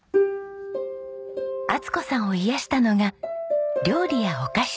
充子さんを癒やしたのが料理やお菓子作りでした。